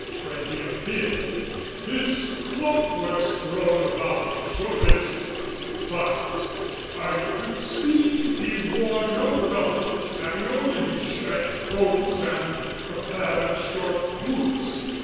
When he appeared, his cloak was thrown about his shoulders but I could see he wore no doublet, having only his shirt, hose, and a pair of short boots.